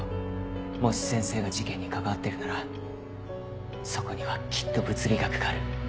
もし先生が事件に関わってるならそこにはきっと物理学がある。